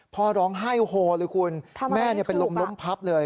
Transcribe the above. พ่อร้องไห้โฮเลยคุณแม่เป็นลมล้มพับเลย